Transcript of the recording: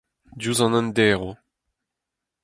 diouzh an enderv.